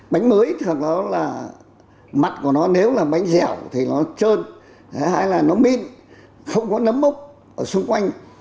bánh mới thật đó là mặt của nó nếu là bánh dẻo thì nó trơn hay là nó minh không có nấm mốc ở xung quanh